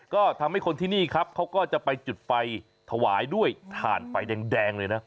ก็ทำให้คนที่นี่ครับเขาก็จะไปจุดไฟถวายด้วยถ่านไฟแดงเลยนะ